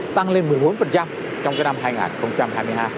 tăng lên một mươi bốn trong cái năm hai nghìn hai mươi hai